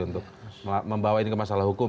untuk membawa ini ke masalah hukum